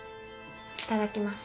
いただきます。